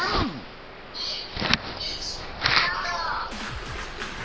３２１スタート！